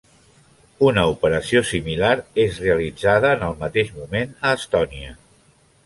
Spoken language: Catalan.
Una operació similar és realitzada en el mateix moment a Estònia.